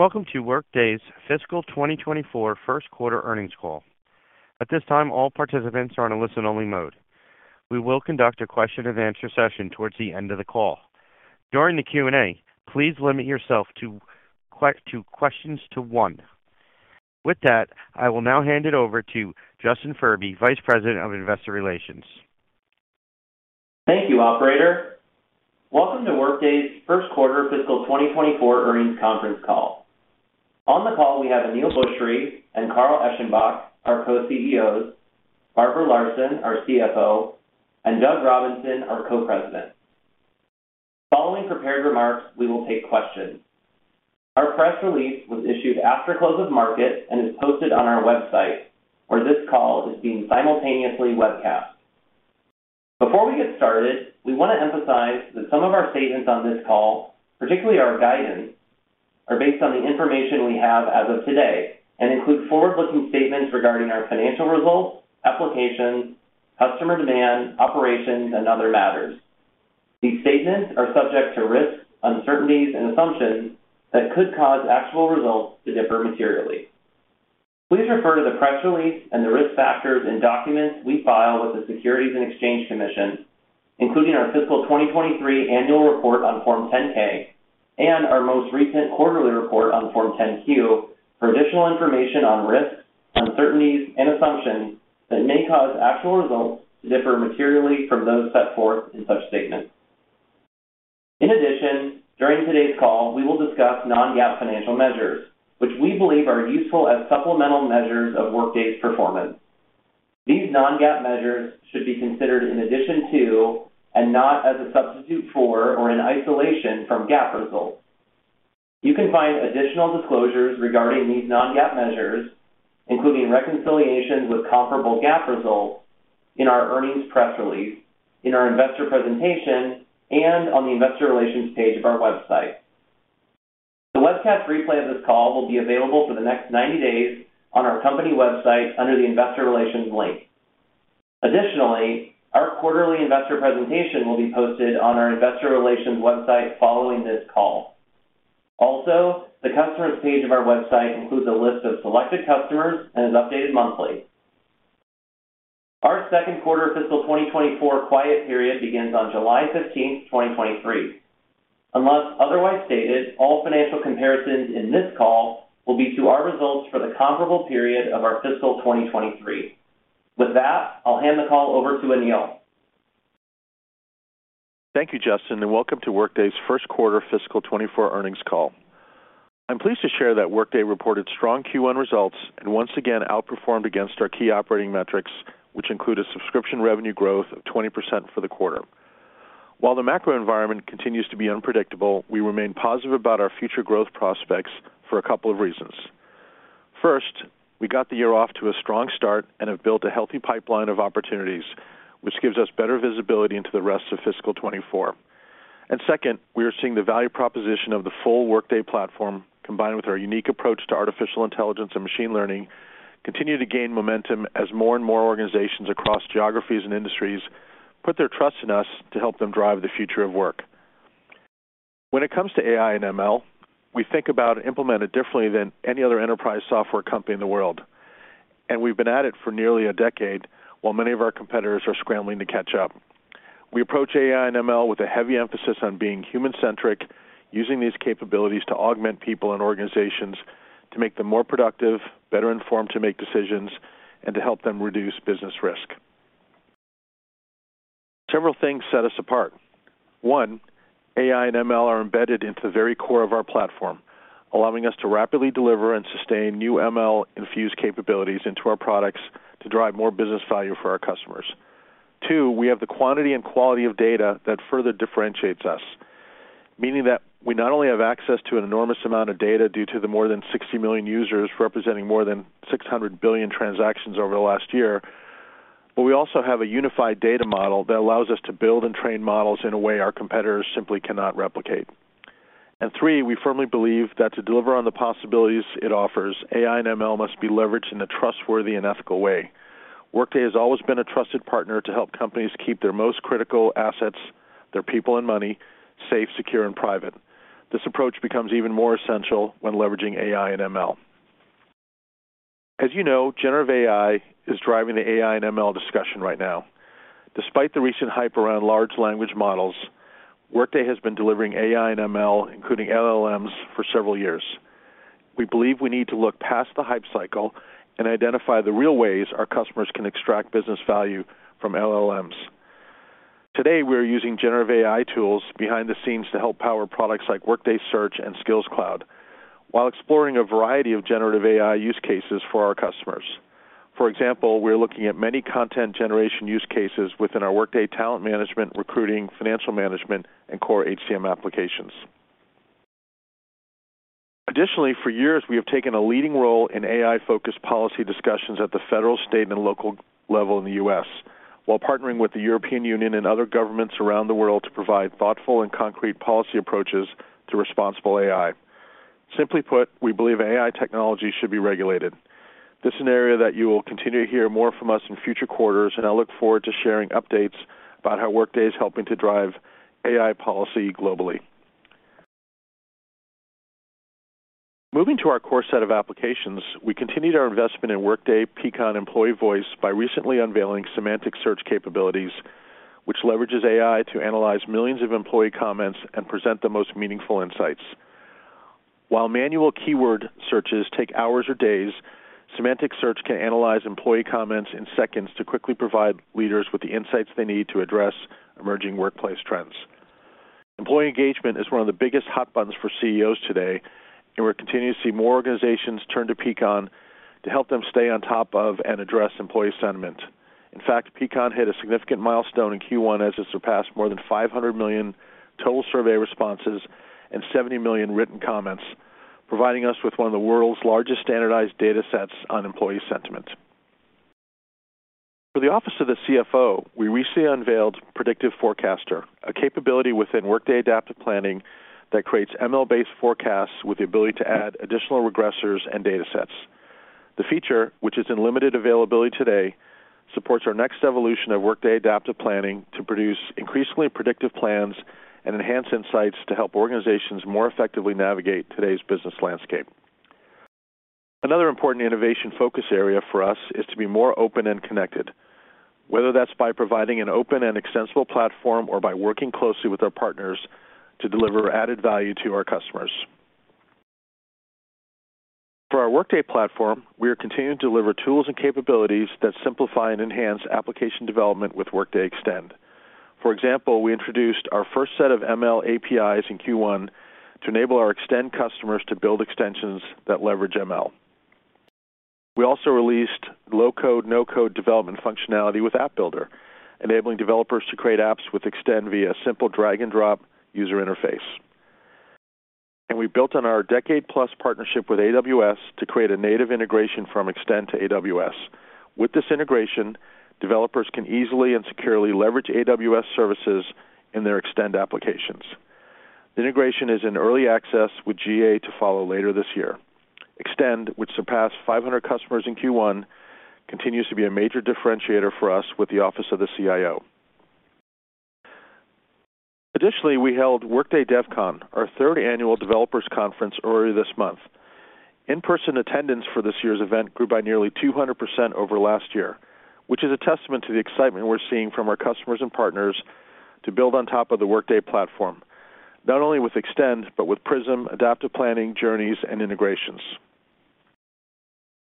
Welcome to Workday's Fiscal 2024 first quarter earnings call. At this time, all participants are in a listen-only mode. We will conduct a question-and-answer session towards the end of the call. During the Q&A, please limit yourself to questions to one. With that, I will now hand it over to Justin Furby, Vice President of Investor Relations. Thank you, operator. Welcome to Workday's first quarter fiscal 2024 earnings conference call. On the call, we have Aneel Bhusri and Carl Eschenbach, our Co-CEOs, Barbara Larson, our CFO, and Doug Robinson, our Co-President. Following prepared remarks, we will take questions. Our press release was issued after close of market and is posted on our website, where this call is being simultaneously webcast. Before we get started, we want to emphasize that some of our statements on this call, particularly our guidance, are based on the information we have as of today and include forward-looking statements regarding our financial results, applications, customer demand, operations, and other matters. These statements are subject to risks, uncertainties, and assumptions that could cause actual results to differ materially. Please refer to the press release and the risk factors in documents we file with the Securities and Exchange Commission, including our fiscal 2023 Annual Report on Form 10-K and our most recent quarterly report on Form 10-Q for additional information on risks, uncertainties, and assumptions that may cause actual results to differ materially from those set forth in such statements. In addition, during today's call, we will discuss non-GAAP financial measures, which we believe are useful as supplemental measures of Workday's performance. These non-GAAP measures should be considered in addition to and not as a substitute for or an isolation from GAAP results. You can find additional disclosures regarding these non-GAAP measures, including reconciliations with comparable GAAP results in our earnings press release, in our investor presentation, and on the investor relations page of our website. The webcast replay of this call will be available for the next 90 days on our company website under the Investor Relations link. Our quarterly investor presentation will be posted on our investor relations website following this call. The customers page of our website includes a list of selected customers and is updated monthly. Our second quarter fiscal 2024 quiet period begins on July 15th, 2023. Unless otherwise stated, all financial comparisons in this call will be to our results for the comparable period of our fiscal 2023. With that, I'll hand the call over to Aneel. Thank you, Justin, and welcome to Workday's first quarter fiscal 2024 earnings call. I'm pleased to share that Workday reported strong Q1 results and once again outperformed against our key operating metrics, which include a subscription revenue growth of 20% for the quarter. While the macro environment continues to be unpredictable, we remain positive about our future growth prospects for a couple of reasons. First, we got the year off to a strong start and have built a healthy pipeline of opportunities, which gives us better visibility into the rest of fiscal 2024. Second, we are seeing the value proposition of the full Workday platform, combined with our unique approach to artificial intelligence and machine learning, continue to gain momentum as more and more organizations across geographies and industries put their trust in us to help them drive the future of work. When it comes to AI and ML, we think about and implement it differently than any other enterprise software company in the world. We've been at it for nearly a decade, while many of our competitors are scrambling to catch up. We approach AI and ML with a heavy emphasis on being human-centric, using these capabilities to augment people and organizations to make them more productive, better informed to make decisions, and to help them reduce business risk. Several things set us apart. One, AI and ML are embedded into the very core of our platform, allowing us to rapidly deliver and sustain new ML-infused capabilities into our products to drive more business value for our customers. Two, we have the quantity and quality of data that further differentiates us, meaning that we not only have access to an enormous amount of data due to the more than 60 million users, representing more than 600 billion transactions over the last year, but we also have a unified data model that allows us to build and train models in a way our competitors simply cannot replicate. Three, we firmly believe that to deliver on the possibilities it offers, AI and ML must be leveraged in a trustworthy and ethical way. Workday has always been a trusted partner to help companies keep their most critical assets, their people and money, safe, secure, and private. This approach becomes even more essential when leveraging AI and ML. As you know, generative AI is driving the AI and ML discussion right now. Despite the recent hype around large language models, Workday has been delivering AI and ML, including LLMs, for several years. We believe we need to look past the hype cycle and identify the real ways our customers can extract business value from LLMs. Today, we are using generative AI tools behind the scenes to help power products like Workday Search and Skills Cloud, while exploring a variety of generative AI use cases for our customers. For example, we're looking at many content generation use cases within our Workday Talent Management, Recruiting, Financial Management, and Core HCM applications. Additionally, for years, we have taken a leading role in AI-focused policy discussions at the federal, state, and local level in the US, while partnering with the European Union and other governments around the world to provide thoughtful and concrete policy approaches to responsible AI. Simply put, we believe AI technology should be regulated. This is an area that you will continue to hear more from us in future quarters, and I look forward to sharing updates about how Workday is helping to drive AI policy globally. Moving to our core set of applications, we continued our investment in Workday Peakon Employee Voice by recently unveiling semantic search capabilities, which leverages AI to analyze millions of employee comments and present the most meaningful insights. While manual keyword searches take hours or days, semantic search can analyze employee comments in seconds to quickly provide leaders with the insights they need to address emerging workplace trends. Employee engagement is one of the biggest hot buttons for CEOs today, and we're continuing to see more organizations turn to Peakon to help them stay on top of and address employee sentiment. In fact, Peakon hit a significant milestone in Q1 as it surpassed more than 500 million total survey responses and 70 million written comments, providing us with one of the world's largest standardized data sets on employee sentiment. For the office of the CFO, we recently unveiled Predictive Forecaster, a capability within Workday Adaptive Planning that creates ML-based forecasts with the ability to add additional regressors and data sets. The feature, which is in limited availability today, supports our next evolution of Workday Adaptive Planning to produce increasingly predictive plans and enhance insights to help organizations more effectively navigate today's business landscape. Another important innovation focus area for us is to be more open and connected, whether that's by providing an open and extensible platform or by working closely with our partners to deliver added value to our customers. For our Workday platform, we are continuing to deliver tools and capabilities that simplify and enhance application development with Workday Extend. For example, we introduced our first set of ML APIs in Q1 to enable our Extend customers to build extensions that leverage ML. We also released low-code, no-code development functionality with App Builder, enabling developers to create apps with Extend via simple drag-and-drop user interface. We built on our decade-plus partnership with AWS to create a native integration from Extend to AWS. With this integration, developers can easily and securely leverage AWS services in their Extend applications. The integration is in early access, with GA to follow later this year. Extend, which surpassed 500 customers in Q1, continues to be a major differentiator for us with the Office of the CIO. Additionally, we held Workday DevCon, our third annual developers conference, earlier this month. In-person attendance for this year's event grew by nearly 200% over last year, which is a testament to the excitement we're seeing from our customers and partners to build on top of the Workday platform, not only with Extend, but with Prism, Adaptive Planning, Journeys, and integrations.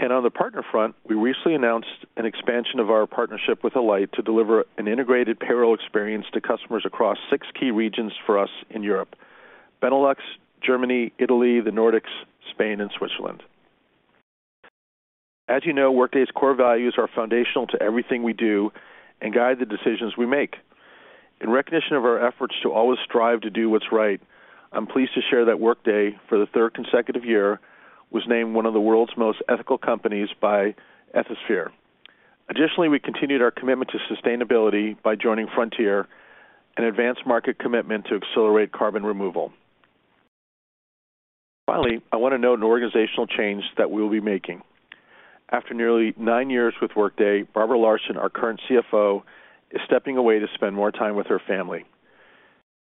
On the partner front, we recently announced an expansion of our partnership with Alight to deliver an integrated payroll experience to customers across six key regions for us in Europe: Benelux, Germany, Italy, the Nordics, Spain, and Switzerland. As you know, Workday's core values are foundational to everything we do and guide the decisions we make. In recognition of our efforts to always strive to do what's right, I'm pleased to share that Workday, for the third consecutive year, was named one of the world's most ethical companies by Ethisphere. Additionally, we continued our commitment to sustainability by joining Frontier, an advanced market commitment to accelerate carbon removal. Finally, I want to note an organizational change that we will be making. After nearly nine years with Workday, Barbara Larson, our current CFO, is stepping away to spend more time with her family.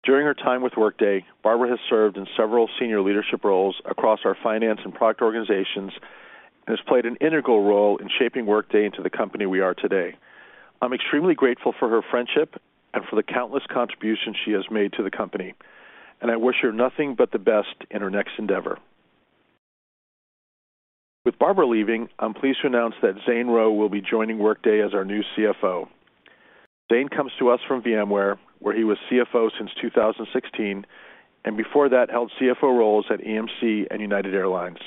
During her time with Workday, Barbara has served in several senior leadership roles across our finance and product organizations and has played an integral role in shaping Workday into the company we are today. I'm extremely grateful for her friendship and for the countless contributions she has made to the company, and I wish her nothing but the best in her next endeavor. With Barbara leaving, I'm pleased to announce that Zane Rowe will be joining Workday as our new CFO. Zane comes to us from VMware, where he was CFO since 2016. Before that, held CFO roles at EMC and United Airlines.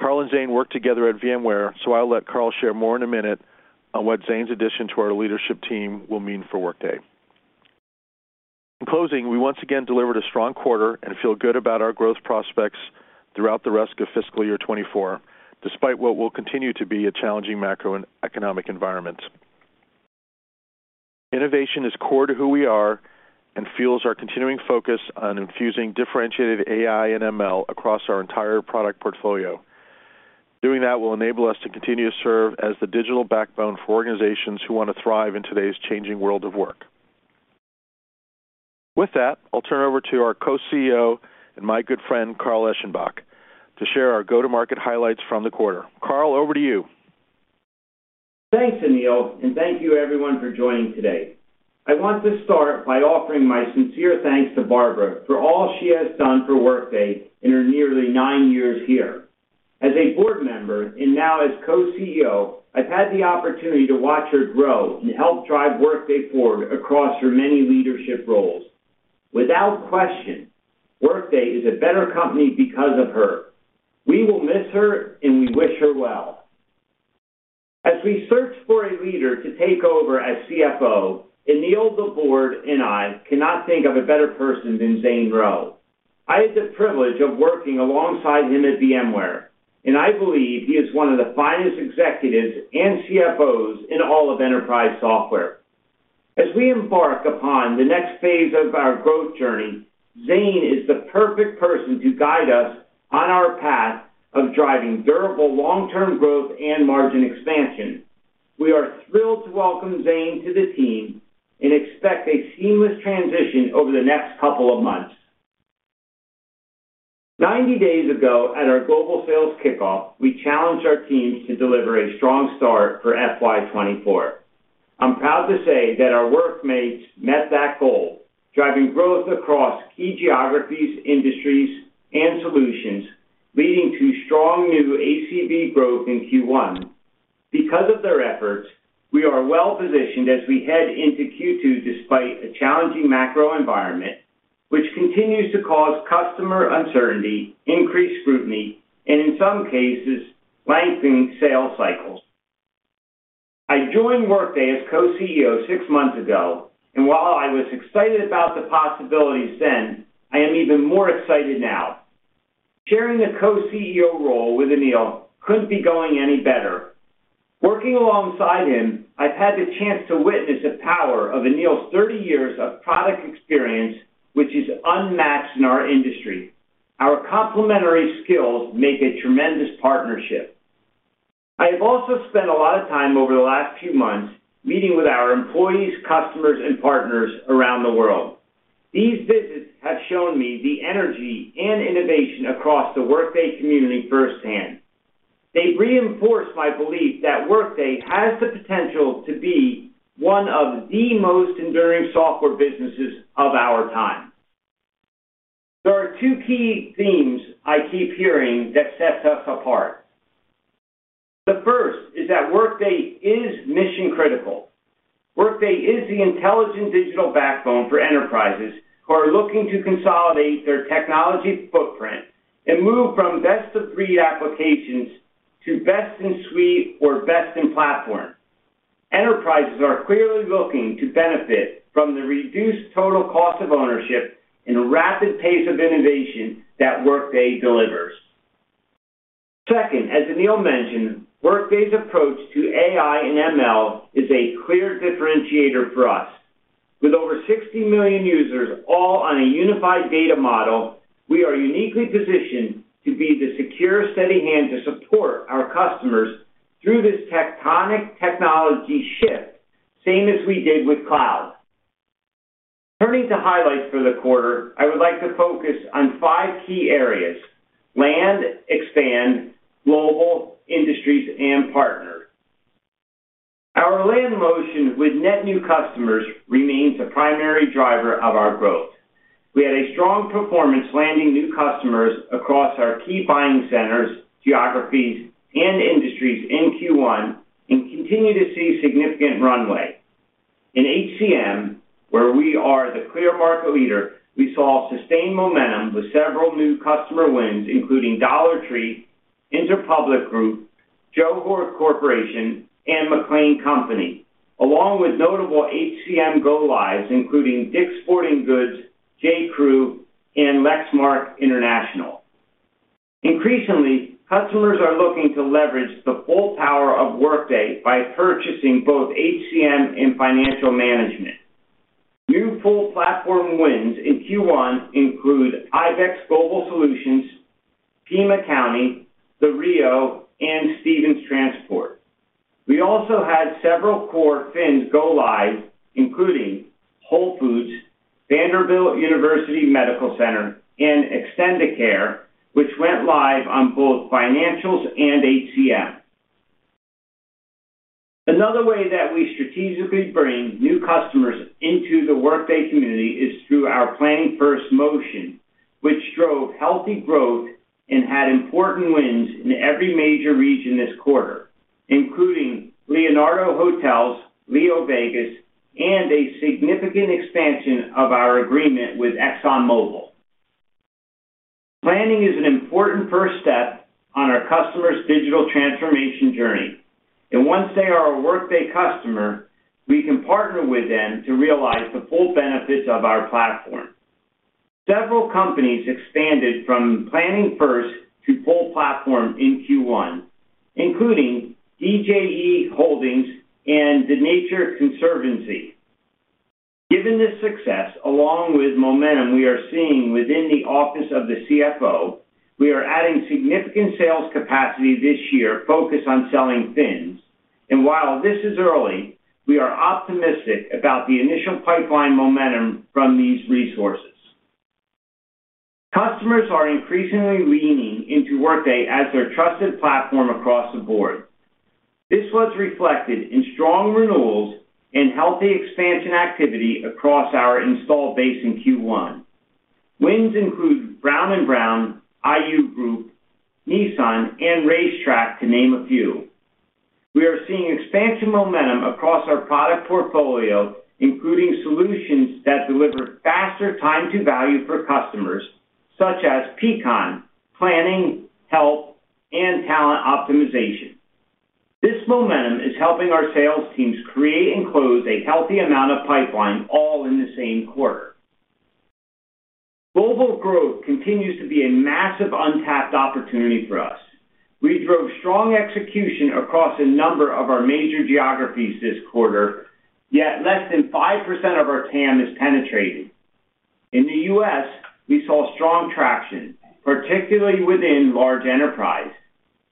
Carl and Zane worked together at VMware. I'll let Carl share more in a minute on what Zane's addition to our leadership team will mean for Workday. In closing, we once again delivered a strong quarter and feel good about our growth prospects throughout the rest of fiscal year 2024, despite what will continue to be a challenging macroeconomic environment. Innovation is core to who we are and fuels our continuing focus on infusing differentiated AI and ML across our entire product portfolio. Doing that will enable us to continue to serve as the digital backbone for organizations who want to thrive in today's changing world of work. With that, I'll turn it over to our Co-CEO and my good friend, Carl Eschenbach, to share our go-to-market highlights from the quarter. Carl, over to you. Thanks, Aneel. Thank you, everyone, for joining today. I want to start by offering my sincere thanks to Barbara for all she has done for Workday in her nearly nine years here. As a board member and now as co-CEO, I've had the opportunity to watch her grow and help drive Workday forward across her many leadership roles. Without question, Workday is a better company because of her. We will miss her. We wish her well. As we search for a leader to take over as CFO, Aneel, the board, and I cannot think of a better person than Zane Rowe. I had the privilege of working alongside him at VMware. I believe he is one of the finest executives and CFOs in all of enterprise software.... As we embark upon the next phase of our growth journey, Zane is the perfect person to guide us on our path of driving durable long-term growth and margin expansion. We are thrilled to welcome Zane to the team and expect a seamless transition over the next couple of months. 90 days ago, at our global sales kickoff, we challenged our teams to deliver a strong start for FY 2024. I'm proud to say that our workmates met that goal, driving growth across key geographies, industries, and solutions, leading to strong new ACV growth in Q1. Of their efforts, we are well-positioned as we head into Q2, despite a challenging macro environment, which continues to cause customer uncertainty, increased scrutiny, and in some cases, lengthening sales cycles. I joined Workday as co-CEO six months ago. While I was excited about the possibilities then, I am even more excited now. Sharing the co-CEO role with Aneel couldn't be going any better. Working alongside him, I've had the chance to witness the power of Aneel's 30 years of product experience, which is unmatched in our industry. Our complementary skills make a tremendous partnership. I have also spent a lot of time over the last few months meeting with our employees, customers, and partners around the world. These visits have shown me the energy and innovation across the Workday community firsthand. They've reinforced my belief that Workday has the potential to be one of the most enduring software businesses of our time. There are two key themes I keep hearing that sets us apart. The first is that Workday is mission-critical. Workday is the intelligent digital backbone for enterprises who are looking to consolidate their technology footprint and move from best-of-breed applications to best-in-suite or best-in-platform. Enterprises are clearly looking to benefit from the reduced total cost of ownership and rapid pace of innovation that Workday delivers. Second, as Aneel mentioned, Workday's approach to AI and ML is a clear differentiator for us. With over 60 million users, all on a unified data model, we are uniquely positioned to be the secure, steady hand to support our customers through this tectonic technology shift, same as we did with cloud. Turning to highlights for the quarter, I would like to focus on five key areas: land, expand, global, industries, and partners. Our land motion with net new customers remains a primary driver of our growth. We had a strong performance, landing new customers across our key buying centers, geographies, and industries in Q1, and continue to see significant runway. In HCM, where we are the clear market leader, we saw sustained momentum with several new customer wins, including Dollar Tree, Interpublic Group, Johor Corporation, and McLane Company, along with notable HCM go-lives, including Dick's Sporting Goods, J.Crew, and Lexmark International. Increasingly, customers are looking to leverage the full power of Workday by purchasing both HCM and financial management. New full platform wins in Q1 include IBEX Global Solutions, Pima County, The Rio, and Stevens Transport. We also had several core Fins go live, including Whole Foods, Vanderbilt University Medical Center, and Extendicare, which went live on both Financials and HCM. Another way that we strategically bring new customers into the Workday community is through our planning-first motion, which drove healthy growth and had important wins in every major region this quarter, including Leonardo Hotels, LeoVegas, and a significant expansion of our agreement with ExxonMobil. Planning is an important first step on our customer's digital transformation journey, and once they are a Workday customer, we can partner with them to realize the full benefits of our platform. Several companies expanded from planning first to full platform in Q1, including DJE Holdings and The Nature Conservancy. Given this success, along with momentum we are seeing within the office of the CFO, we are adding significant sales capacity this year focused on selling Fins. While this is early, we are optimistic about the initial pipeline momentum from these resources. Customers are increasingly leaning into Workday as their trusted platform across the board. This was reflected in strong renewals and healthy expansion activity across our installed base in Q1. Wins include Brown & Brown, IU Group, Nissan, and RaceTrac, to name a few. We are seeing expansion momentum across our product portfolio, including solutions that deliver faster time to value for customers, such as Peakon, Planning, Health, and Talent Optimization. This momentum is helping our sales teams create and close a healthy amount of pipeline, all in the same quarter. Global growth continues to be a massive untapped opportunity for us. We drove strong execution across a number of our major geographies this quarter, yet less than 5% of our TAM is penetrated. In the U.S., we saw strong traction, particularly within large enterprise.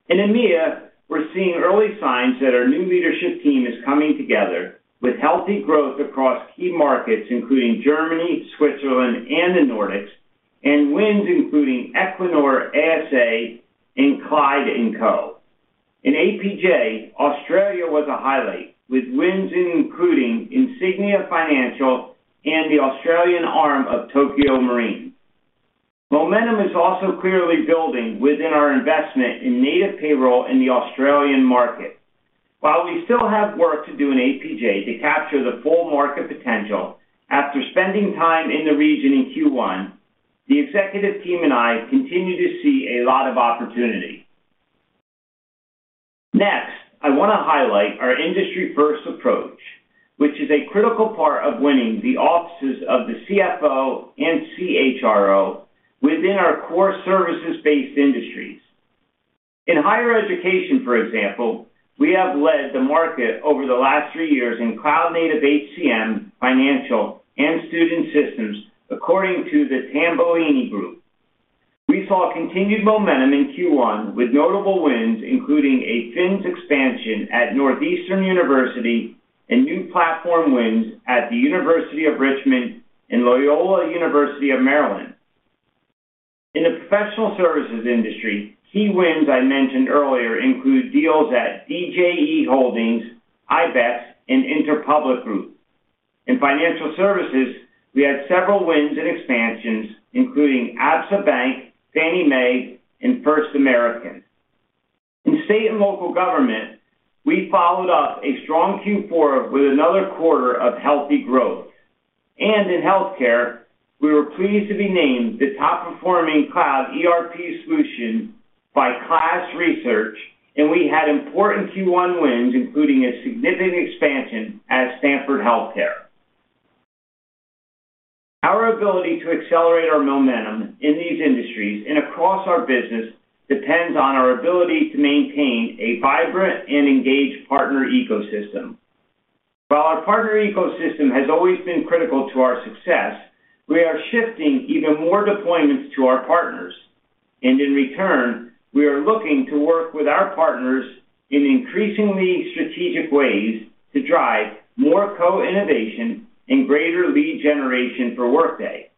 In EMEA, we're seeing early signs that our new leadership team is coming together with healthy growth across key markets, including Germany, Switzerland, and the Nordics, and wins, including Equinor ASA and Clyde & Co. In APJ, Australia was a highlight, with wins including Insignia Financial and the Australian arm of Tokio Marine. Momentum is also clearly building within our investment in native payroll in the Australian market. While we still have work to do in APJ to capture the full market potential, after spending time in the region in Q1, the executive team and I continue to see a lot of opportunity. Next, I wanna highlight our industry-first approach, which is a critical part of winning the offices of the CFO and CHRO within our core services-based industries. In higher education, for example, we have led the market over the last three years in cloud-native HCM, financial, and student systems, according to The Tambellini Group. We saw continued momentum in Q1, with notable wins, including a Fins expansion at Northeastern University and new platform wins at the University of Richmond and Loyola University of Maryland. In the professional services industry, key wins I mentioned earlier include deals at DJE Holdings, IBEX, and Interpublic Group. In financial services, we had several wins and expansions, including Absa Bank, Fannie Mae, and First American. In state and local government, we followed up a strong Q4 with another quarter of healthy growth. In healthcare, we were pleased to be named the top-performing cloud ERP solution by KLAS Research, and we had important Q1 wins, including a significant expansion at Stanford Health Care. Our ability to accelerate our momentum in these industries and across our business depends on our ability to maintain a vibrant and engaged partner ecosystem. While our partner ecosystem has always been critical to our success, we are shifting even more deployments to our partners, and in return, we are looking to work with our partners in increasingly strategic ways to drive more co-innovation and greater lead generation for Workday.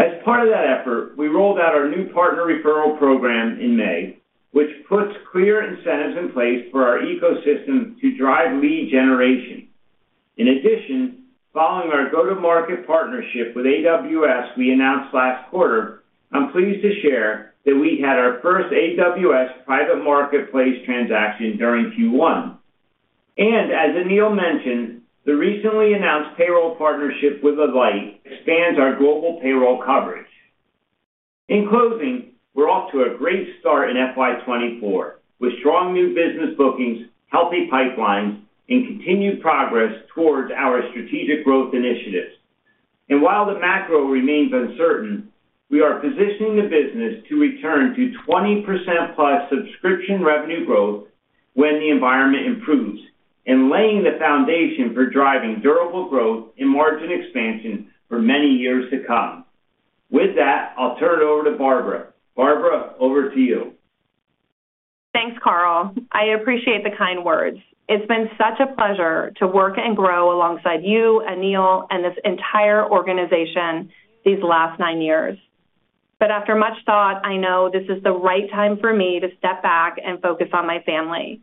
As part of that effort, we rolled out our new partner referral program in May, which puts clear incentives in place for our ecosystem to drive lead generation. As Aneel mentioned, the recently announced payroll partnership with Alight expands our global payroll coverage. In closing, we're off to a great start in FY 2024, with strong new business bookings, healthy pipelines, and continued progress towards our strategic growth initiatives. While the macro remains uncertain, we are positioning the business to return to 20% plus subscription revenue growth when the environment improves, and laying the foundation for driving durable growth and margin expansion for many years to come. With that, I'll turn it over to Barbara. Barbara, over to you. Thanks, Carl. I appreciate the kind words. It's been such a pleasure to work and grow alongside you, Aneel, and this entire organization these last nine years. After much thought, I know this is the right time for me to step back and focus on my family,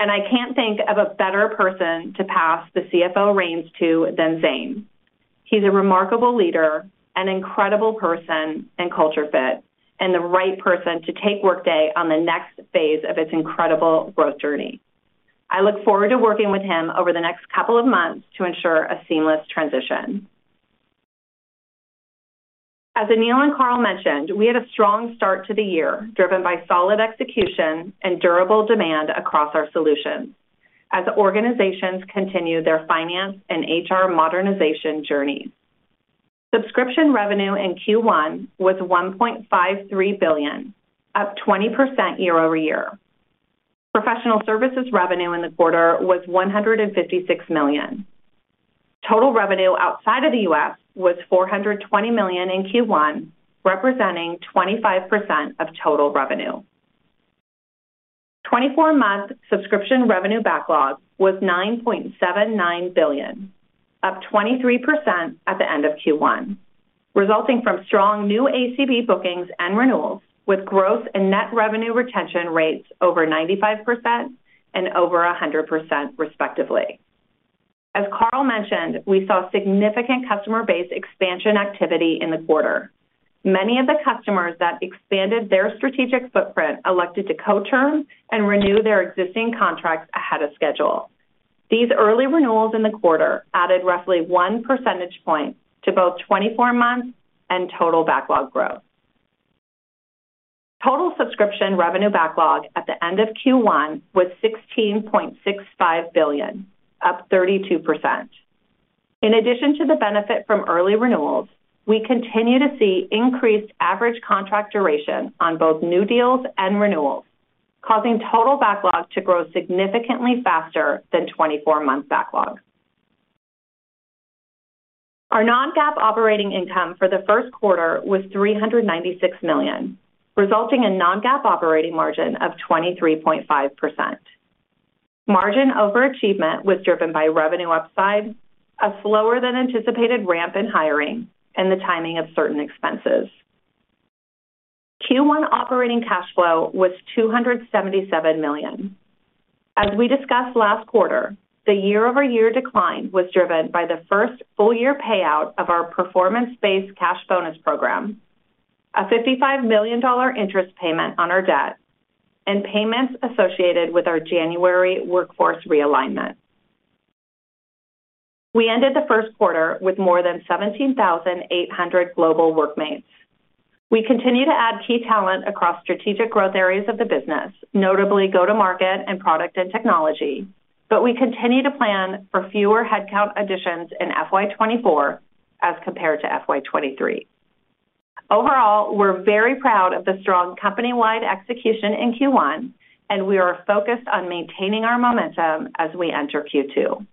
and I can't think of a better person to pass the CFO reins to than Zane. He's a remarkable leader, an incredible person and culture fit, and the right person to take Workday on the next phase of its incredible growth journey. I look forward to working with him over the next two months to ensure a seamless transition. As Aneel and Carl mentioned, we had a strong start to the year, driven by solid execution and durable demand across our solutions as organizations continue their finance and HR modernization journeys. Subscription revenue in Q1 was $1.53 billion, up 20% year-over-year. Professional services revenue in the quarter was $156 million. Total revenue outside of the U.S. was $420 million in Q1, representing 25% of total revenue. 24-month subscription revenue backlog was $9.79 billion, up 23% at the end of Q1, resulting from strong new ACV bookings and renewals, with growth and net revenue retention rates over 95% and over 100%, respectively. As Carl mentioned, we saw significant customer base expansion activity in the quarter. Many of the customers that expanded their strategic footprint elected to co-term and renew their existing contracts ahead of schedule. These early renewals in the quarter added roughly one percentage point to both 24 months and total backlog growth. subscription revenue backlog at the end of Q1 was $16.65 billion, up 32%. In addition to the benefit from early renewals, we continue to see increased average contract duration on both new deals and renewals, causing total backlog to grow significantly faster than 24-month backlog. Our non-GAAP operating income for the first quarter was $396 million, resulting in non-GAAP operating margin of 23.5%. Margin overachievement was driven by revenue upside, a slower than anticipated ramp in hiring, and the timing of certain expenses. Q1 operating cash flow was $277 million. As we discussed last quarter, the year-over-year decline was driven by the first full year payout of our performance-based cash bonus program, a $55 million interest payment on our debt, and payments associated with our January workforce realignment. We ended the first quarter with more than 17,800 global Workmates. We continue to add key talent across strategic growth areas of the business, notably go-to-market and product and technology. We continue to plan for fewer headcount additions in FY2024 as compared to FY2023. Overall, we're very proud of the strong company-wide execution in Q1. We are focused on maintaining our momentum as we enter Q2.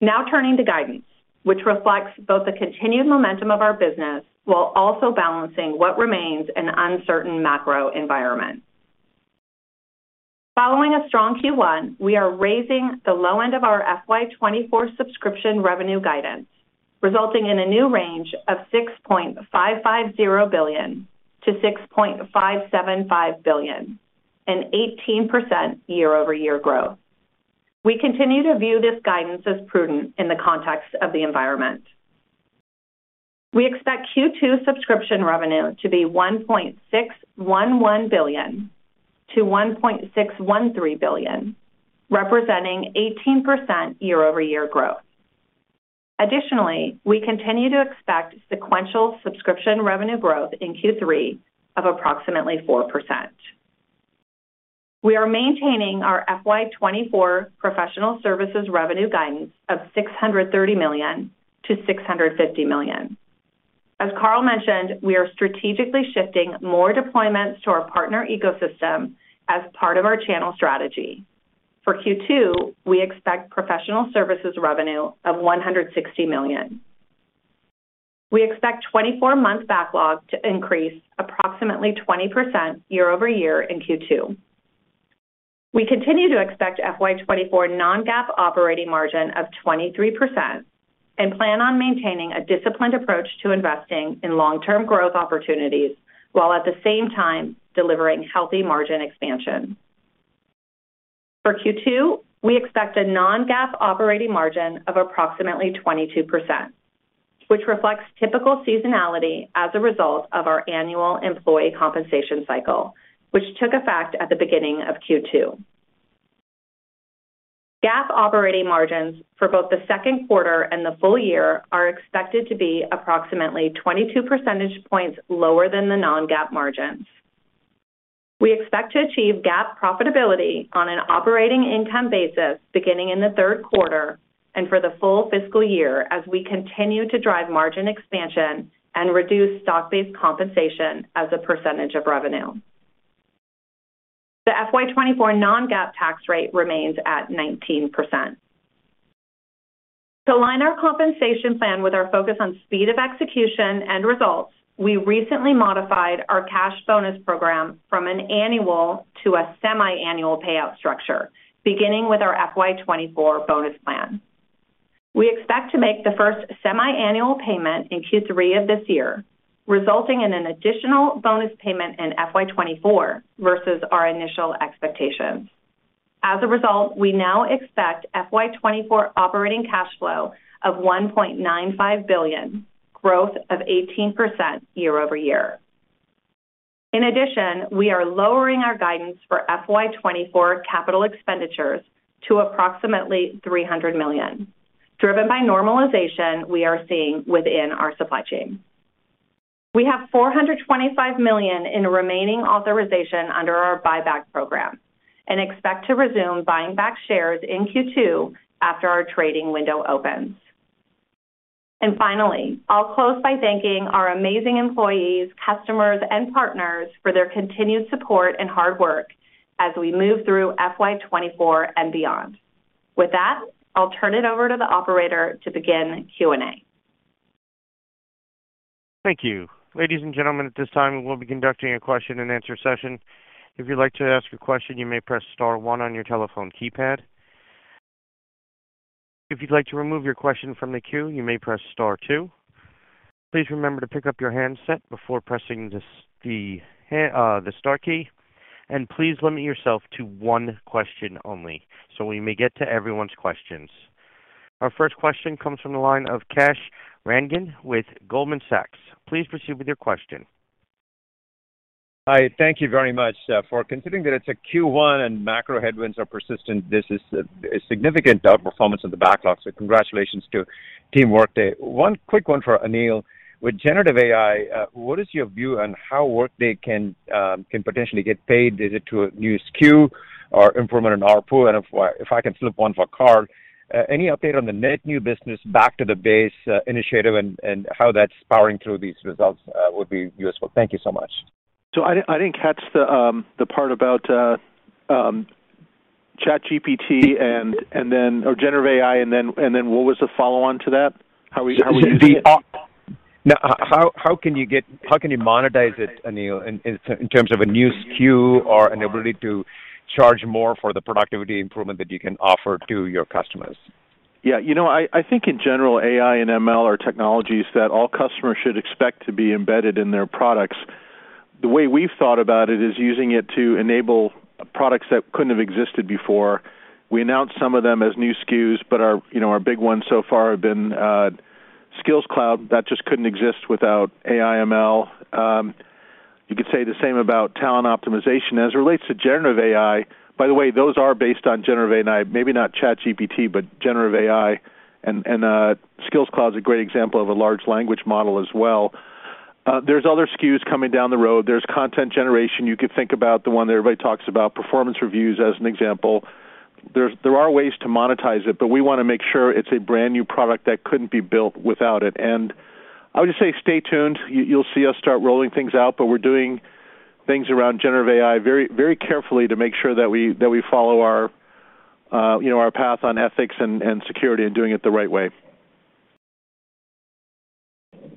Now turning to guidance, which reflects both the continued momentum of our business while also balancing what remains an uncertain macro environment. Following a strong Q1, we are raising the low end of our FY2024 subscription revenue guidance, resulting in a new range of $6.550 billion to $6.575 billion, an 18% year-over-year growth. We continue to view this guidance as prudent in the context of the environment. We expect Q2 subscription revenue to be $1.611 billion-$1.613 billion, representing 18% year-over-year growth. Additionally, we continue to expect sequential subscription revenue growth in Q3 of approximately 4%. We are maintaining our FY 2024 professional services revenue guidance of $630 million-$650 million. As Carl mentioned, we are strategically shifting more deployments to our partner ecosystem as part of our channel strategy. For Q2, we expect professional services revenue of $160 million. We expect 24-month backlog to increase approximately 20% year-over-year in Q2. We continue to expect FY 2024 non-GAAP operating margin of 23% and plan on maintaining a disciplined approach to investing in long-term growth opportunities, while at the same time delivering healthy margin expansion. For Q2, we expect a non-GAAP operating margin of approximately 22%, which reflects typical seasonality as a result of our annual employee compensation cycle, which took effect at the beginning of Q2. GAAP operating margins for both the second quarter and the full year are expected to be approximately 22 percentage points lower than the non-GAAP margins. We expect to achieve GAAP profitability on an operating income basis beginning in the third quarter and for the full fiscal year as we continue to drive margin expansion and reduce stock-based compensation as a % of revenue. The FY 2024 non-GAAP tax rate remains at 19%. To align our compensation plan with our focus on speed of execution and results, we recently modified our cash bonus program from an annual to a semiannual payout structure, beginning with our FY 2024 bonus plan. We expect to make the first semiannual payment in Q3 of this year, resulting in an additional bonus payment in FY 2024 versus our initial expectations. We now expect FY 2024 operating cash flow of $1.95 billion, growth of 18% year-over-year. We are lowering our guidance for FY 2024 CapEx to approximately $300 million, driven by normalization we are seeing within our supply chain. We have $425 million in remaining authorization under our buyback program and expect to resume buying back shares in Q2 after our trading window opens. Finally, I'll close by thanking our amazing employees, customers, and partners for their continued support and hard work as we move through FY 2024 and beyond. With that, I'll turn it over to the operator to begin Q&A. Thank you. Ladies and gentlemen, at this time, we'll be conducting a question-and-answer session. If you'd like to ask a question, you may press star one on your telephone keypad. If you'd like to remove your question from the queue, you may press star two. Please remember to pick up your handset before pressing this, the star key, and please limit yourself to one question only, so we may get to everyone's questions. Our first question comes from the line of Kash Rangan with Goldman Sachs. Please proceed with your question. Hi, thank you very much. For considering that it's a Q1 and macro headwinds are persistent, this is a significant performance of the backlog, so congratulations to Team Workday. One quick one for Aneel. With generative AI, what is your view on how Workday can potentially get paid? Is it to a new SKU or improvement in ARPU? And if I, if I can flip one for Carl, any update on the net new business back to the base initiative and how that's powering through these results would be useful. Thank you so much. I didn't catch the part about ChatGPT and then, or generative AI, and then what was the follow-on to that? How we using it? No, how can you monetize it, Aneel, in terms of a new SKU or an ability to charge more for the productivity improvement that you can offer to your customers? You know, I think in general, AI and ML are technologies that all customers should expect to be embedded in their products. The way we've thought about it is using it to enable products that couldn't have existed before. We announced some of them as new SKUs, but our, you know, our big ones so far have been Skills Cloud. That just couldn't exist without AI, ML. You could say the same about Workday Talent Optimization. As it relates to generative AI, by the way, those are based on generative AI, maybe not ChatGPT, but generative AI, and Skills Cloud is a great example of a large language model as well. There's other SKUs coming down the road. There's content generation. You could think about the one that everybody talks about, performance reviews, as an example. There are ways to monetize it, but we want to make sure it's a brand-new product that couldn't be built without it. I would just say stay tuned. You'll see us start rolling things out, but we're doing things around generative AI very, very carefully to make sure that we follow our, you know, our path on ethics and security and doing it the right way.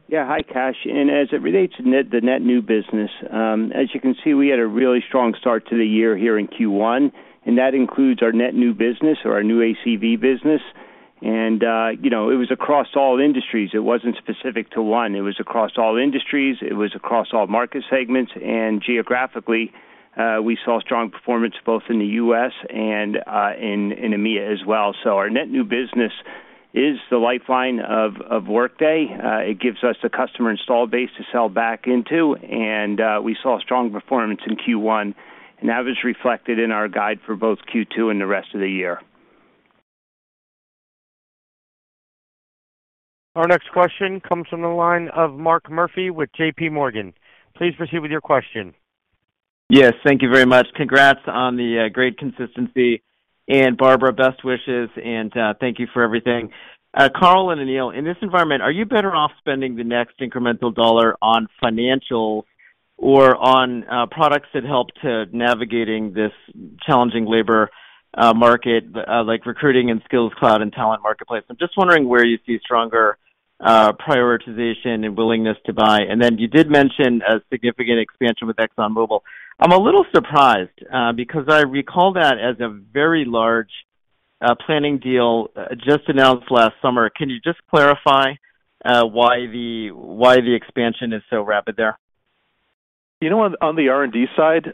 Yeah, hi, Kash. As it relates to the net new business, as you can see, we had a really strong start to the year here in Q1, and that includes our net new business or our new ACV business. You know, it was across all industries. It wasn't specific to one. It was across all industries, it was across all market segments, and geographically, we saw strong performance both in the U.S. and in EMEA as well. Our net new business is the lifeline of Workday. It gives us the customer install base to sell back into, and we saw strong performance in Q1, and that is reflected in our guide for both Q2 and the rest of the year. Our next question comes from the line of Mark Murphy with J.P. Morgan. Please proceed with your question. Yes, thank you very much. Congrats on the great consistency, and Barbara, best wishes, and thank you for everything. Carl and Aneel, in this environment, are you better off spending the next incremental dollar on financials or on products that help to navigating this challenging labor market, like recruiting and Workday Skills Cloud and talent marketplace? I'm just wondering where you see stronger prioritization and willingness to buy. You did mention a significant expansion with ExxonMobil. I'm a little surprised, because I recall that as a very large planning deal, just announced last summer. Can you just clarify, why the expansion is so rapid there? You know what? On the R&D side,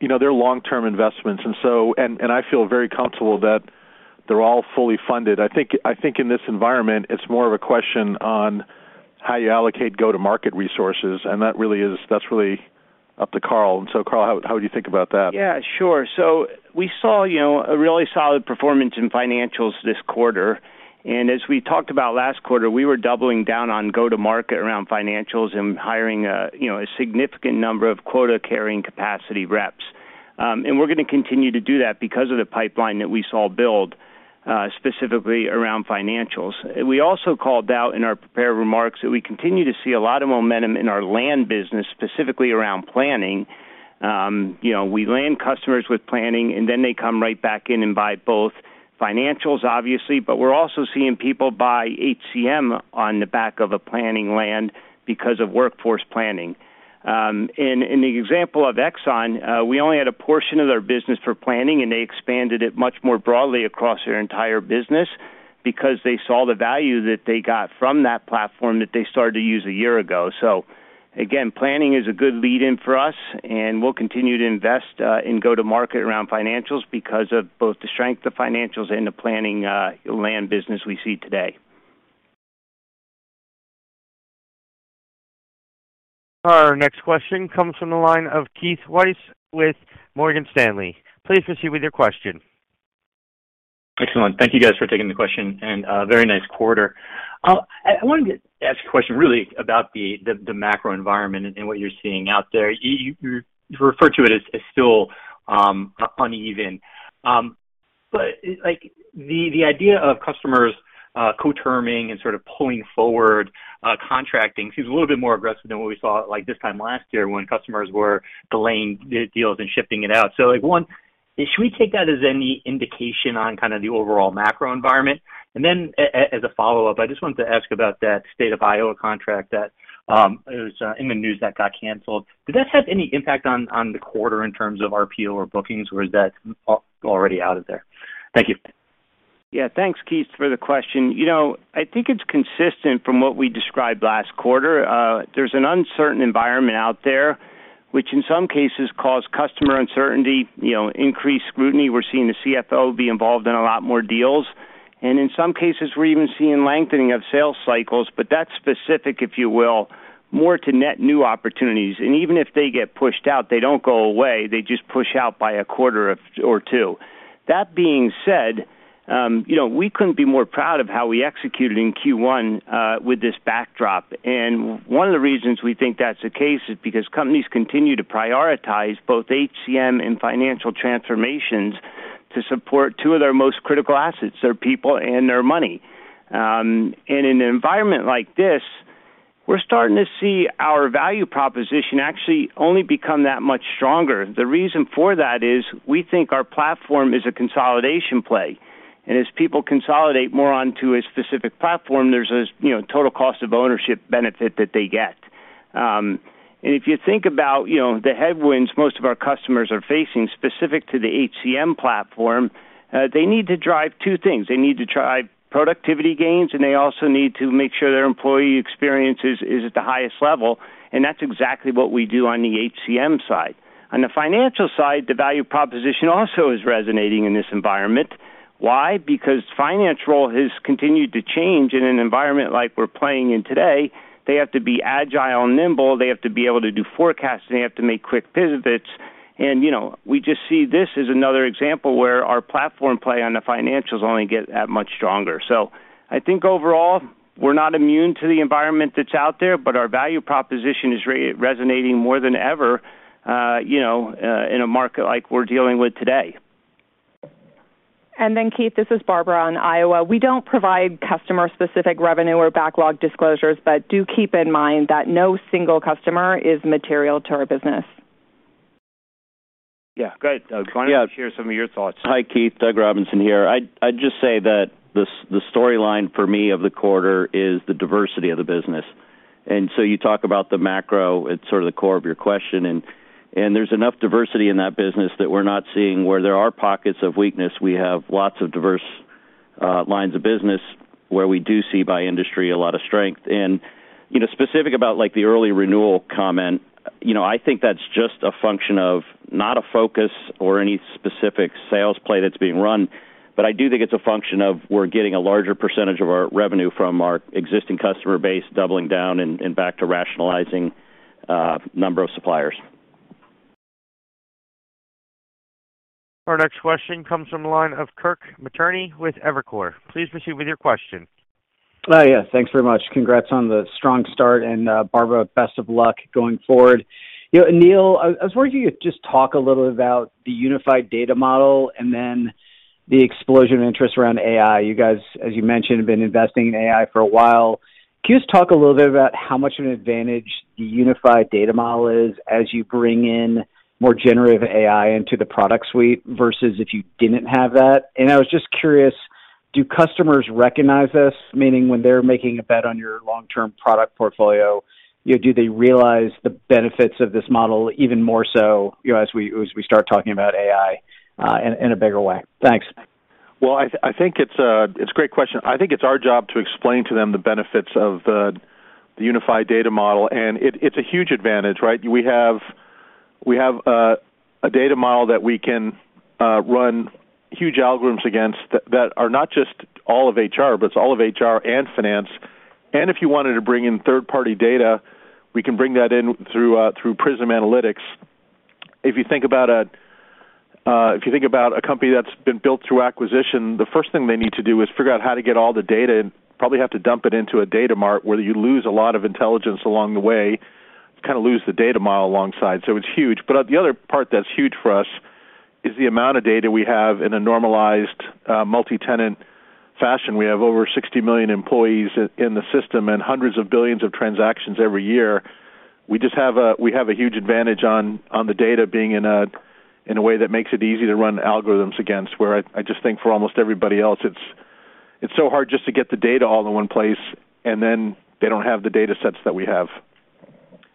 you know, they're long-term investments, and I feel very comfortable that they're all fully funded. I think, I think in this environment, it's more of a question on how you allocate go-to-market resources, and that's really up to Carl. Carl, how would you think about that? Yeah, sure. We saw, you know, a really solid performance in financials this quarter. As we talked about last quarter, we were doubling down on go-to-market around financials and hiring, you know, a significant number of quota-carrying capacity reps. We're gonna continue to do that because of the pipeline that we saw build, specifically around financials. We also called out in our prepared remarks that we continue to see a lot of momentum in our land business, specifically around planning. You know, we land customers with planning, they come right back in and buy both financials, obviously, we're also seeing people buy HCM on the back of a planning land because of workforce planning. In, in the example of Exxon, we only had a portion of their business for planning, and they expanded it much more broadly across their entire business because they saw the value that they got from that platform that they started to use a year ago. Planning is a good lead-in for us, and we'll continue to invest in go-to-market around financials because of both the strength of financials and the planning land business we see today. Our next question comes from the line of Keith Weiss with Morgan Stanley. Please proceed with your question. Excellent. Thank you, guys, for taking the question, and very nice quarter. I wanted to ask a question really about the macro environment and what you're seeing out there. You refer to it as still uneven. Like, the idea of customers co-terming and sort of pulling forward contracting seems a little bit more aggressive than what we saw, like, this time last year when customers were delaying the deals and shifting it out. Like, one, should we take that as any indication on kind of the overall macro environment? Then as a follow-up, I just wanted to ask about that state of Iowa contract that it was in the news that got canceled. Did that have any impact on the quarter in terms of RPO or bookings, or is that already out of there? Thank you. Yeah. Thanks, Keith, for the question. You know, I think it's consistent from what we described last quarter. There's an uncertain environment out there, which in some cases caused uncertainty, you know, increased scrutiny. We're seeing the CFO be involved in a lot more deals, and in some cases, we're even seeing lengthening of sales cycles, but that's specific, if you will, more to net new opportunities. Even if they get pushed out, they don't go away, they just push out by a quarter or two. That being said, you know, we couldn't be more proud of how we executed in Q1 with this backdrop. One of the reasons we think that's the case is because companies continue to prioritize both HCM and financial transformations to support two of their most critical assets, their people and their money. In an environment like this, we're starting to see our value proposition actually only become that much stronger. The reason for that is, we think our platform is a consolidation play, and as people consolidate more onto a specific platform, there's a, you know, total cost of ownership benefit that they get. If you think about, you know, the headwinds most of our customers are facing specific to the HCM platform, they need to drive two things. They need to drive productivity gains, and they also need to make sure their employee experience is at the highest level, and that's exactly what we do on the HCM side. On the financial side, the value proposition also is resonating in this environment. Why? Because financial has continued to change. In an environment like we're playing in today, they have to be agile and nimble, they have to be able to do forecasting, they have to make quick pivots. You know, we just see this as another example where our platform play on the financials only get that much stronger. I think overall, we're not immune to the environment that's out there, but our value proposition is resonating more than ever, you know, in a market like we're dealing with today. Keith, this is Barbara on Iowa. We don't provide customer-specific revenue or backlog disclosures, but do keep in mind that no single customer is material to our business. Yeah. Great. Yeah. Why don't you share some of your thoughts? Hi, Keith. Doug Robinson here. I'd just say that the storyline for me of the quarter is the diversity of the business. You talk about the macro, it's sort of the core of your question, and there's enough diversity in that business that we're not seeing. Where there are pockets of weakness, we have lots of diverse lines of business where we do see, by industry, a lot of strength. You know, specific about, like, the early renewal comment, you know, I think that's just a function of not a focus or any specific sales play that's being run, but I do think it's a function of we're getting a larger percentage of our revenue from our existing customer base, doubling down and back to rationalizing number of suppliers. Our next question comes from the line of Kirk Materne with Evercore. Please proceed with your question. Yeah, thanks very much. Congrats on the strong start, and Barbara, best of luck going forward. You know, Aneel, I was wondering if you could just talk a little about the unified data model and then the explosion of interest around AI. You guys, as you mentioned, have been investing in AI for a while. Can you just talk a little bit about how much of an advantage the unified data model is as you bring in more generative AI into the product suite, versus if you didn't have that? I was just curious, do customers recognize this? Meaning, when they're making a bet on your long-term product portfolio, you know, do they realize the benefits of this model even more so, you know, as we start talking about AI in a bigger way? Thanks. Well, I think it's a great question. I think it's our job to explain to them the benefits of the unified data model. It's a huge advantage, right? We have a data model that we can run huge algorithms against, that are not just all of HR, but it's all of HR and finance. If you wanted to bring in third-party data, we can bring that in through Prism Analytics. If you think about a company that's been built through acquisition, the first thing they need to do is figure out how to get all the data, probably have to dump it into a data mart, where you lose a lot of intelligence along the way. You kind of lose the data model alongside. It's huge. The other part that's huge for us is the amount of data we have in a normalized, multi-tenant fashion. We have over 60 million employees in the system and hundreds of billions of transactions every year. We have a huge advantage on the data being in a way that makes it easy to run algorithms against, where I just think for almost everybody else, it's so hard just to get the data all in one place, and then they don't have the data sets that we have.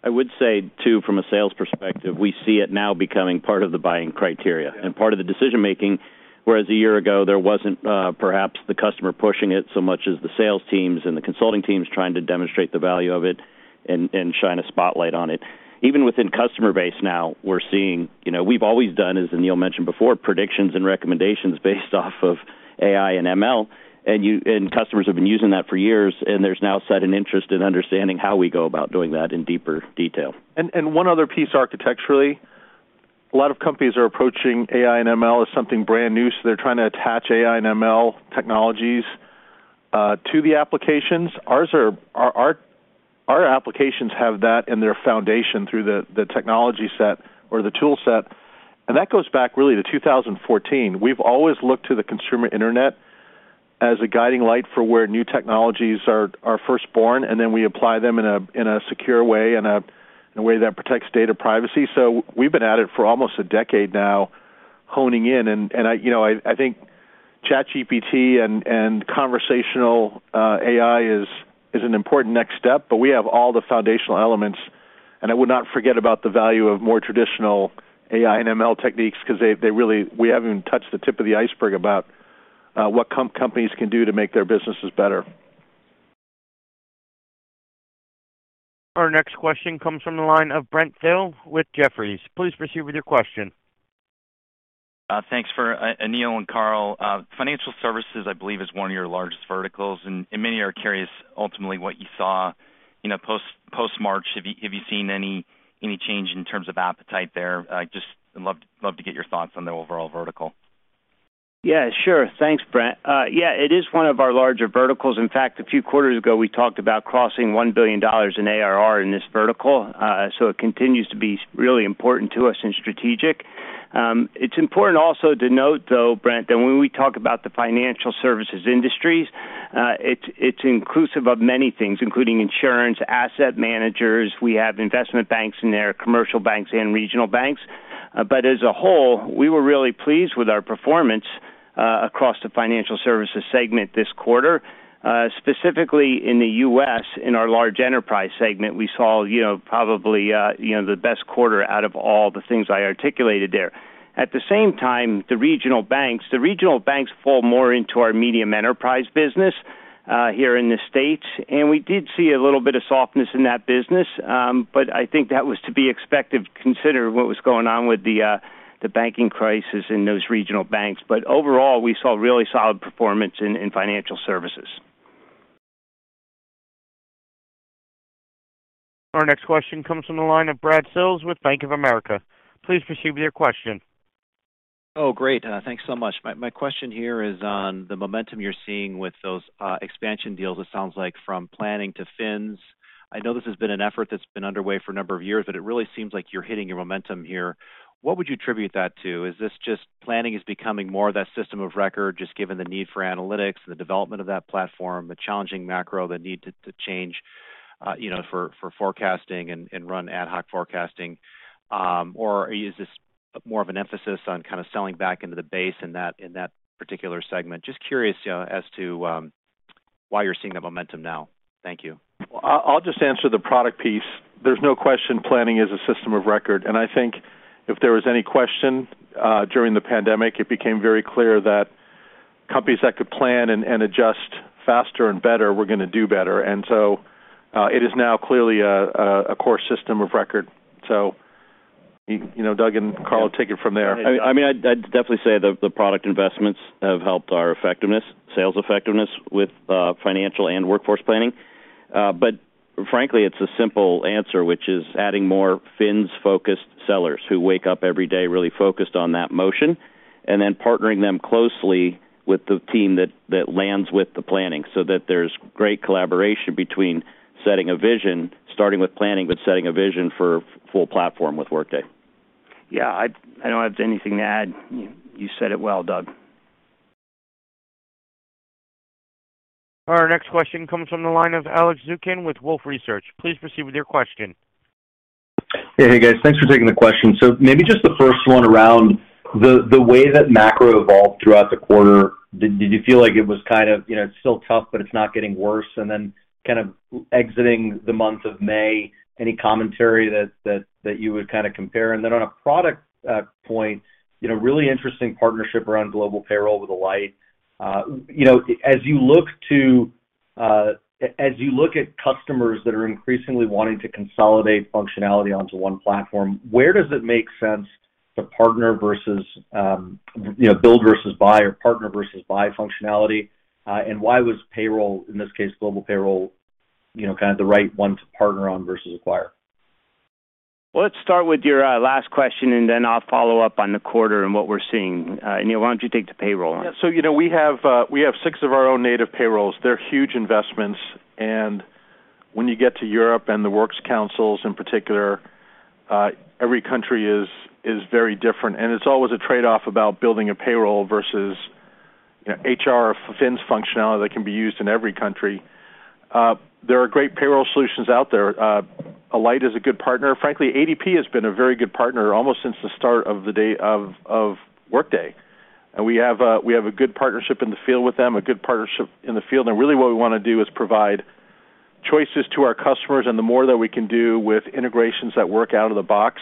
I would say, too, from a sales perspective, we see it now becoming part of the buying criteria. Yeah. Part of the decision making, whereas a year ago, there wasn't perhaps the customer pushing it so much as the sales teams and the consulting teams trying to demonstrate the value of it and shine a spotlight on it. Even within customer base now, we're seeing. You know, we've always done, as Aneel mentioned before, predictions and recommendations based off of AI and ML, and customers have been using that for years, and there's now sudden interest in understanding how we go about doing that in deeper detail. One other piece, architecturally, a lot of companies are approaching AI and ML as something brand new, so they're trying to attach AI and ML technologies to the applications. Our applications have that in their foundation through the technology set or the tool set, and that goes back really to 2014. We've always looked to the consumer internet as a guiding light for where new technologies are first born, and then we apply them in a secure way, in a way that protects data privacy. We've been at it for almost a decade now, honing in. I, you know, I think ChatGPT and conversational AI is an important next step, but we have all the foundational elements, and I would not forget about the value of more traditional AI and ML techniques, because they really. We haven't even touched the tip of the iceberg about what companies can do to make their businesses better. Our next question comes from the line of Brent Thill with Jefferies. Please proceed with your question. Thanks for Aneel and Carl. Financial services, I believe, is one of your largest verticals, and many are curious ultimately what you saw, you know, post-March. Have you seen any change in terms of appetite there? I just love to get your thoughts on the overall vertical. Yeah, sure. Thanks, Brent. Yeah, it is one of our larger verticals. In fact, a few quarters ago, we talked about crossing $1 billion in ARR in this vertical. It continues to be really important to us and strategic. It's important also to note, though, Brent, that when we talk about the financial services industries, it's inclusive of many things, including insurance, asset managers. We have investment banks in there, commercial banks and regional banks. As a whole, we were really pleased with our performance across the financial services segment this quarter, specifically in the US. In our large enterprise segment, we saw, you know, probably, you know, the best quarter out of all the things I articulated there. At the same time, the regional banks fall more into our medium enterprise business, here in the States. We did see a little bit of softness in that business. I think that was to be expected, considering what was going on with the banking crisis in those regional banks. Overall, we saw really solid performance in financial services. Our next question comes from the line of Brad Sills with Bank of America. Please proceed with your question. Great. Thanks so much. My question here is on the momentum you're seeing with those expansion deals, it sounds like, from planning to Fins. I know this has been an effort that's been underway for a number of years, it really seems like you're hitting your momentum here. What would you attribute that to? Is this just planning is becoming more of that system of record, just given the need for analytics and the development of that platform, the challenging macro, the need to change, you know, for forecasting and run ad hoc forecasting? Or is this more of an emphasis on kind of selling back into the base in that particular segment? Just curious, you know, as to why you're seeing the momentum now. Thank you. Well, I'll just answer the product piece. There's no question planning is a system of record, and I think if there was any question, during the pandemic, it became very clear that companies that could plan and adjust faster and better were gonna do better. It is now clearly a core system of record. So, you know, Doug and Carl, take it from there. I mean, I'd definitely say the product investments have helped our effectiveness, sales effectiveness with financial and workforce planning. Frankly, it's a simple answer, which is adding more fins-focused sellers who wake up every day really focused on that motion, and then partnering them closely with the team that lands with the planning, so that there's great collaboration between setting a vision, starting with planning, but setting a vision for full platform with Workday. Yeah, I don't have anything to add. You said it well, Doug. Our next question comes from the line of Alex Zukin with Wolfe Research. Please proceed with your question. Hey, guys. Thanks for taking the question. Maybe just the first one around the way that macro evolved throughout the quarter, did you feel like it was kind of, you know, it's still tough, but it's not getting worse, and then kind of exiting the month of May, any commentary that you would kind of compare? Then on a product point, you know, really interesting partnership around global payroll with Alight. As you look to as you look at customers that are increasingly wanting to consolidate functionality onto one platform, where does it make sense to partner versus, you know, build versus buy or partner versus buy functionality? Why was payroll, in this case, global payroll, you know, kind of the right one to partner on versus acquire? Well, let's start with your last question, and then I'll follow up on the quarter and what we're seeing. Aneel, why don't you take the payroll? Yeah. you know, we have 6 of our own native payrolls. They're huge investments, and when you get to Europe and the works councils in particular, every country is very different, and it's always a trade-off about building a payroll versus HR or fins functionality that can be used in every country. There are great payroll solutions out there. Alight is a good partner. Frankly, ADP has been a very good partner almost since the start of the day of Workday. We have a good partnership in the field with them, a good partnership in the field, and really what we want to do is provide choices to our customers, and the more that we can do with integrations that work out of the box.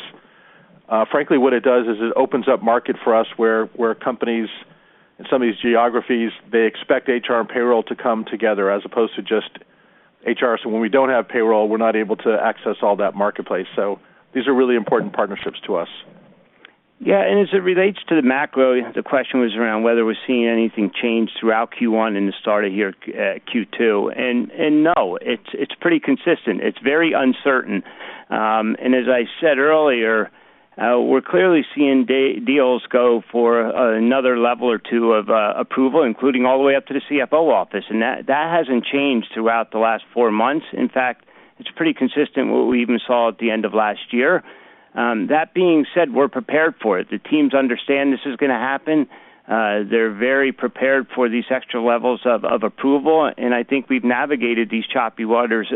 frankly, what it does is it opens up market for us, where companies in some of these geographies, they expect HR and payroll to come together as opposed to just HR. When we don't have payroll, we're not able to access all that marketplace. These are really important partnerships to us. Yeah, as it relates to the macro, the question was around whether we're seeing anything change throughout Q1 and the start of your Q2. No, it's pretty consistent. It's very uncertain. As I said earlier, we're clearly seeing deals go for another level or two of approval, including all the way up to the CFO office, that hasn't changed throughout the last four months. In fact, it's pretty consistent with what we even saw at the end of last year. That being said, we're prepared for it. The teams understand this is going to happen. They're very prepared for these extra levels of approval, I think we've navigated these choppy waters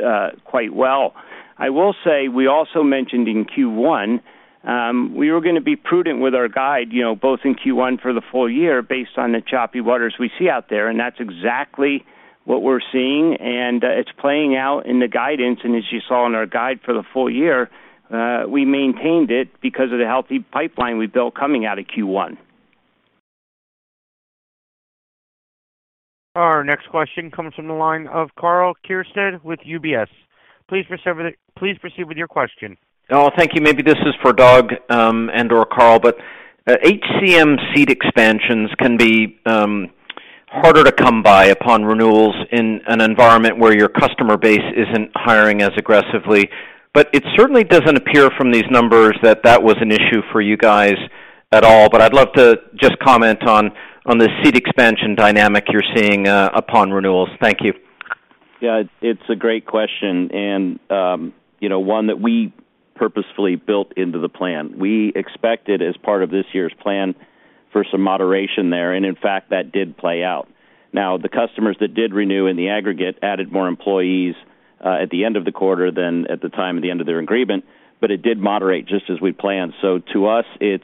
quite well. I will say we also mentioned in Q1, we were going to be prudent with our guide, you know, both in Q1 for the full year, based on the choppy waters we see out there, and that's exactly what we're seeing, it's playing out in the guidance. As you saw in our guide for the full year, we maintained it because of the healthy pipeline we built coming out of Q1. Our next question comes from the line of Karl Keirstead with UBS. Please proceed with your question. Oh, thank you. Maybe this is for Doug and or Carl, HCM seat expansions can be harder to come by upon renewals in an environment where your customer base isn't hiring as aggressively. It certainly doesn't appear from these numbers that that was an issue for you guys at all. I'd love to just comment on the seat expansion dynamic you're seeing upon renewals. Thank you. Yeah, it's a great question, you know, one that we purposefully built into the plan. We expected, as part of this year's plan, for some moderation there, in fact, that did play out. The customers that did renew in the aggregate added more employees, at the end of the quarter than at the time of the end of their agreement, but it did moderate just as we planned. To us, it's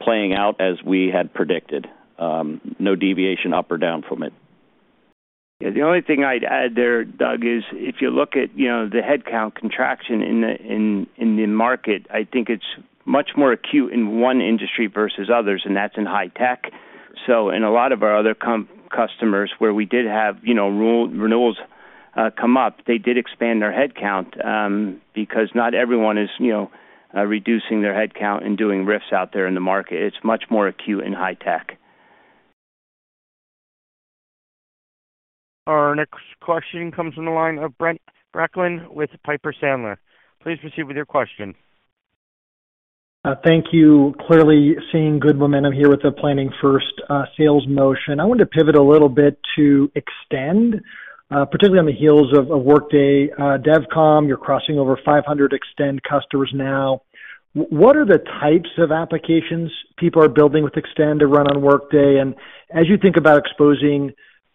playing out as we had predicted, no deviation up or down from it. The only thing I'd add there, Doug, is if you look at, you know, the headcount contraction in the market, I think it's much more acute in one industry versus others, and that's in high tech. In a lot of our other customers where we did have, you know, renewals come up, they did expand their headcount, because not everyone is, you know, reducing their headcount and doing RIFs out there in the market. It's much more acute in high tech. Our next question comes from the line of Brent Bracelin with Piper Sandler. Please proceed with your question. Thank you. Clearly seeing good momentum here with the Planning First sales motion. I wanted to pivot a little bit to Extend, particularly on the heels of a Workday DevCon. You're crossing over 500 Extend customers now. What are the types of applications people are building with Extend to run on Workday? As you think about exposing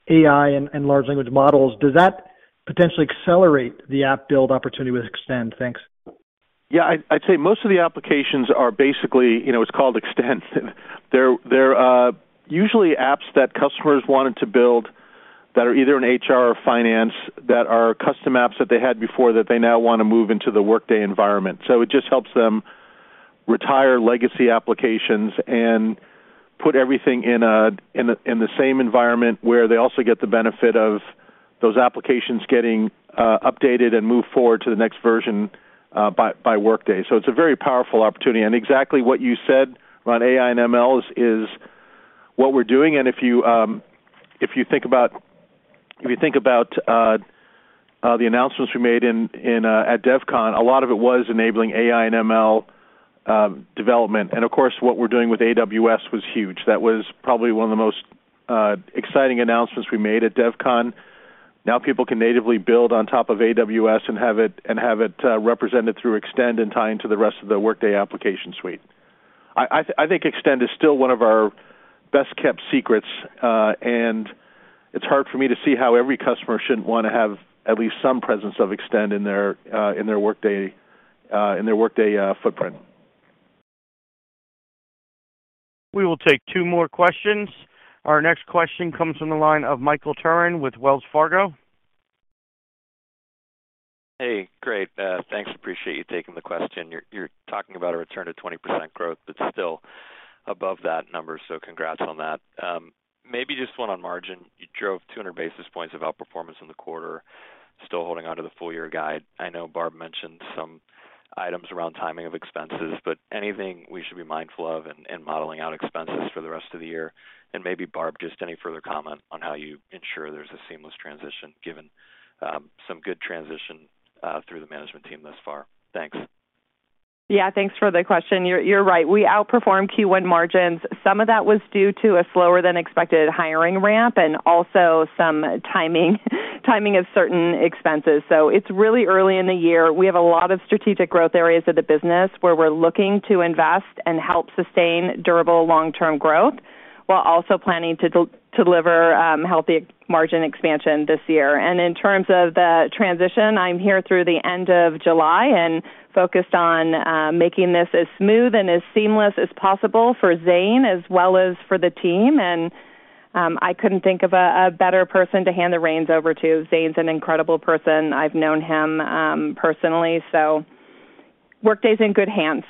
AI and large language models, does that potentially accelerate the app build opportunity with Extend? Thanks. I'd say most of the applications are basically, you know, it's called Extend. They're usually apps that customers wanted to build that are either in HR or finance, that are custom apps that they had before that they now want to move into the Workday environment. It just helps them retire legacy applications and put everything in the same environment, where they also get the benefit of those applications getting updated and moved forward to the next version by Workday. Exactly what you said around AI and ML is what we're doing. If you think about the announcements we made in at DevCon, a lot of it was enabling AI and ML development. Of course, what we're doing with AWS was huge. That was probably one of the most exciting announcements we made at DevCon. People can natively build on top of AWS and have it represented through Extend and tie into the rest of their Workday application suite. I think Extend is still one of our best-kept secrets, and it's hard for me to see how every customer shouldn't want to have at least some presence of Extend in their Workday footprint. We will take two more questions. Our next question comes from the line of Michael Turrin with Wells Fargo. Hey, great. thanks, appreciate you taking the question. You're talking about a return to 20% growth. That's still above that number, so congrats on that. maybe just one on margin. You drove 200 basis points of outperformance in the quarter, still holding onto the full year guide. I know Barb mentioned some items around timing of expenses, but anything we should be mindful of in modeling out expenses for the rest of the year? maybe, Barb, just any further comment on how you ensure there's a seamless transition, given some good transition through the management team thus far? Thanks. Yeah, thanks for the question. You're right. We outperformed Q1 margins. Some of that was due to a slower than expected hiring ramp and also some timing of certain expenses. It's really early in the year. We have a lot of strategic growth areas of the business where we're looking to invest and help sustain durable long-term growth, while also planning to deliver healthy margin expansion this year. In terms of the transition, I'm here through the end of July and focused on making this as smooth and as seamless as possible for Zane, as well as for the team. I couldn't think of a better person to hand the reins over to. Zane's an incredible person. I've known him personally, so Workday's in good hands.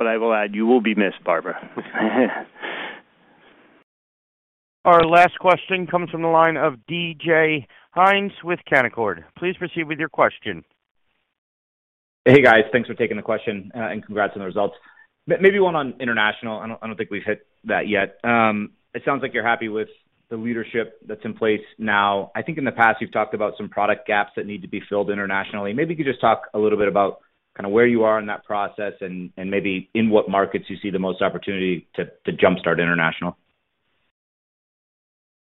I will add, you will be missed, Barbara. Our last question comes from the line of D.J. Hynes with Canaccord. Please proceed with your question. Hey, guys, thanks for taking the question and congrats on the results. Maybe one on international. I don't think we've hit that yet. It sounds like you're happy with the leadership that's in place now. I think in the past, you've talked about some product gaps that need to be filled internationally. Maybe you could just talk a little bit about kind of where you are in that process and maybe in what markets you see the most opportunity to jumpstart international.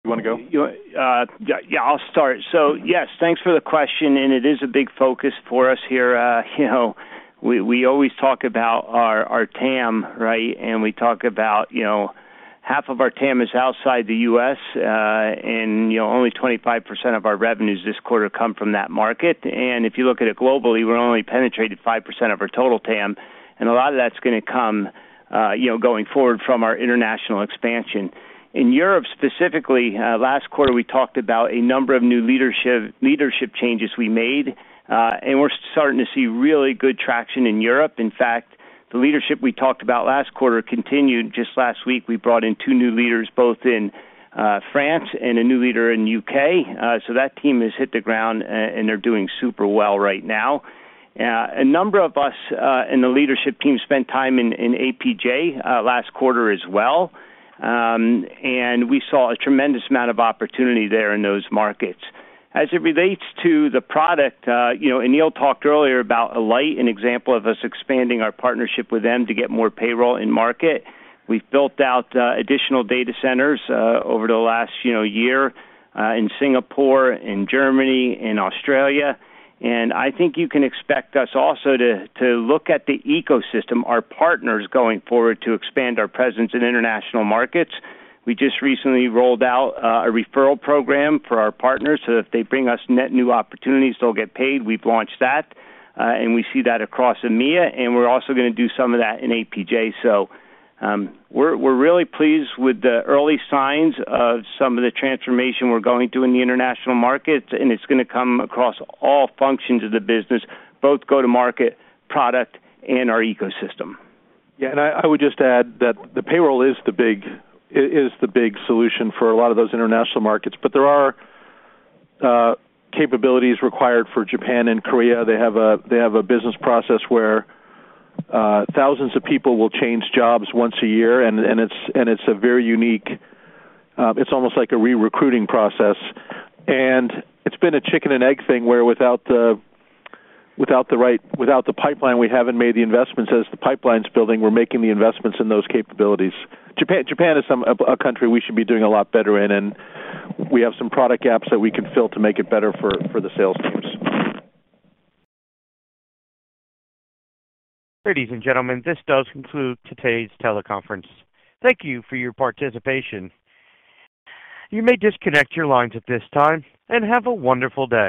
You wanna go? Yeah, I'll start. Yes, thanks for the question, and it is a big focus for us here. You know, we always talk about our TAM, right? We talk about, you know, half of our TAM is outside the U.S., and, you know, only 25% of our revenues this quarter come from that market. If you look at it globally, we're only penetrated 5% of our total TAM, and a lot of that's gonna come, you know, going forward from our international expansion. In Europe, specifically, last quarter, we talked about a number of new leadership changes we made, and we're starting to see really good traction in Europe. The leadership we talked about last quarter continued. Just last week, we brought in two new leaders, both in France, and a new leader in UK. That team has hit the ground, and they're doing super well right now. A number of us in the leadership team spent time in APJ last quarter as well. We saw a tremendous amount of opportunity there in those markets. As it relates to the product, you know, Aneel talked earlier about Alight, an example of us expanding our partnership with them to get more payroll in market. We've built out additional data centers over the last, you know, year, in Singapore, in Germany, in Australia. I think you can expect us also to look at the ecosystem, our partners, going forward, to expand our presence in international markets. We just recently rolled out a referral program for our partners so that if they bring us net new opportunities, they'll get paid. We've launched that, and we see that across EMEA, and we're also going to do some of that in APJ. We're really pleased with the early signs of some of the transformation we're going through in the international markets, and it's going to come across all functions of the business, both go-to-market, product, and our ecosystem. Yeah, and I would just add that the payroll is the big solution for a lot of those international markets. There are capabilities required for Japan and Korea. They have a business process where thousands of people will change jobs once a year, and it's a very unique. It's almost like a re-recruiting process. It's been a chicken-and-egg thing, where without the pipeline, we haven't made the investments. As the pipeline's building, we're making the investments in those capabilities. Japan is a country we should be doing a lot better in, and we have some product gaps that we can fill to make it better for the sales teams. Ladies and gentlemen, this does conclude today's teleconference. Thank you for your participation. You may disconnect your lines at this time, and have a wonderful day.